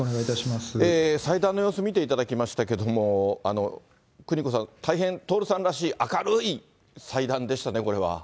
祭壇の様子見ていただきましたけれども、邦子さん、大変、徹さんらしい明るい祭壇でしたね、これは。